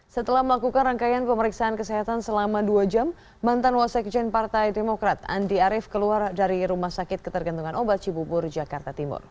setelah melakukan rangkaian pemeriksaan kesehatan selama dua jam mantan wasekjen partai demokrat andi arief keluar dari rumah sakit ketergantungan obat cibubur jakarta timur